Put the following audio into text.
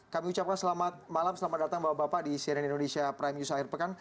kami ucapkan selamat malam selamat datang bapak bapak di cnn indonesia prime news akhir pekan